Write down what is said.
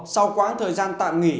sau quá khứ thời gian tạm nghỉ